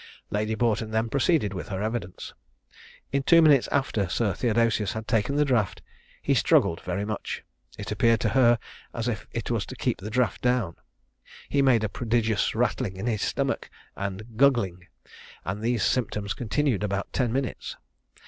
Lady Boughton then proceeded with her evidence. In two minutes after Sir Theodosius had taken the draught, he struggled very much. It appeared to her as if it was to keep the draught down. He made a prodigious rattling in his stomach, and guggling; and these symptoms continued about ten minutes.